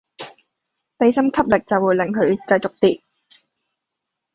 地心吸力就會令佢繼續跌